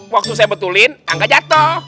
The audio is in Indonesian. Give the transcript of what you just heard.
waktu saya betulin tangga jatoh